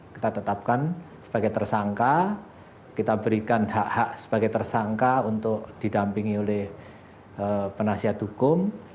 kita tetapkan sebagai tersangka kita berikan hak hak sebagai tersangka untuk didampingi oleh penasihat hukum